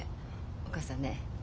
お母さんね